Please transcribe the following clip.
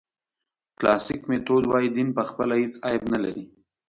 کلاسیک میتود وایي دین پخپله هېڅ عیب نه لري.